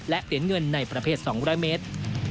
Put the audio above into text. และเหรียญเงินในประเภท๒๐๐เมตร